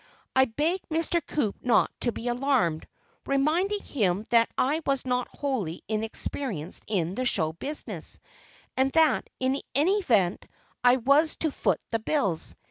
I begged Mr. Coup not to be alarmed, reminding him that I was not wholly inexperienced in the show business, and that, in any event, I was to "foot the bills."